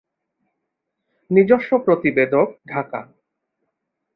নিজস্ব প্রতিবেদকঢাকা